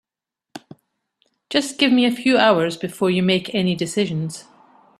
Just give me a few hours before you make any decisions.